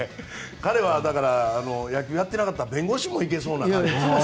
彼は、野球やってなかったら弁護士もいけそうな感じ。